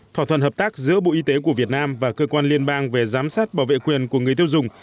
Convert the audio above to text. thỏa thuận hợp tác giữa bộ y tế của việt nam và cơ quan liên bang về giám sát bảo vệ quyền của người tiêu dùng